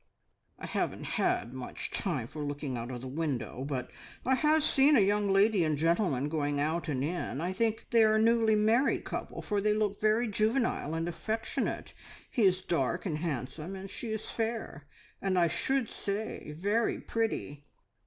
"I haven't had much time for looking out of the window, but I have seen a young lady and gentleman going out and in. I think they are a newly married couple, for they look very juvenile and affectionate. He is dark and handsome, and she is fair, and I should say very pretty."